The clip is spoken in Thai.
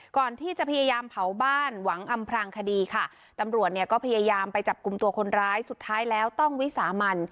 พยายามเผาบ้านหวังอำพรางคดีค่ะตำรวจเนี่ยก็พยายามไปจับกลุ่มตัวคนร้ายสุดท้ายแล้วต้องวิสามัน